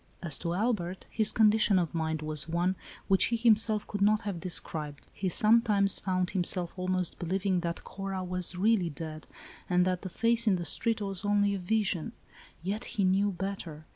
As to Albert, his condition of mind was one, which he himself could not have described. He sometimes found himself almost believing that Cora was really dead, and that the face in the street was only a vision : yet he knew better.